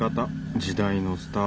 時代のスター。